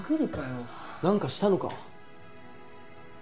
なんかしたのか？